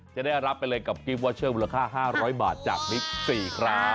จะได้รับไปเลยกับกิ๊บวอร์เชิงบูรค่า๕๐๐บาทจากมิคซีครับ